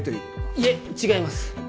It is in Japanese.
いえ違います。